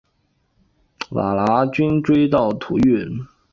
瓦剌军追到土域。